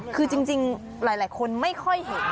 คือจริงหลายคนไม่ค่อยเห็น